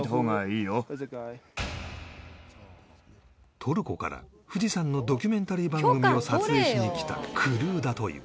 トルコから富士山のドキュメンタリー番組を撮影しに来たクルーだと言う